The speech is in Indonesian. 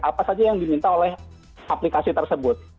apa saja yang diminta oleh aplikasi tersebut